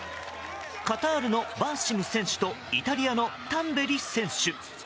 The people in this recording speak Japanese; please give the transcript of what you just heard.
カタールのバーシム選手とイタリアのタンベリ選手。